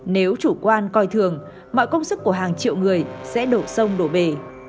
nếu chủ quan coi thường mọi công sức của hàng triệu người sẽ đổ sông đổ bể